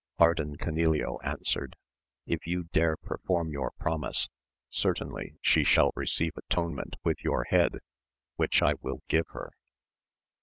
Ardan Canileo answered. If you dare perform your promise, certainly she shall receive atonement with your head, which I will give her.